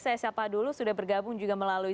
saya siapa dulu sudah bergabung juga melalui